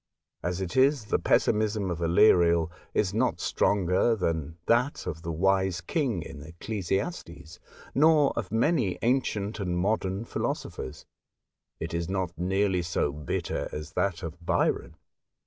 As it is, the pessimism of Aleriel is not stronger than that of the Wise King in Ecclesiastes, nor of many ancient and modern philosophers. It is not nearly so bitter as that of Byron.